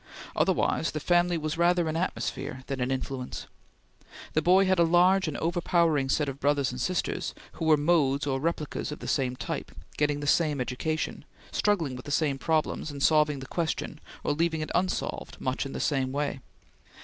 Otherwise the family was rather an atmosphere than an influence. The boy had a large and overpowering set of brothers and sisters, who were modes or replicas of the same type, getting the same education, struggling with the same problems, and solving the question, or leaving it unsolved much in the same way.